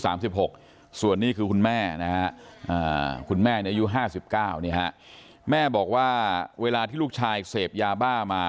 ส่วนนี้คือคุณแม่นะฮะคุณแม่อายุ๕๙แม่บอกว่าเวลาที่ลูกชายเสพยาบ้ามา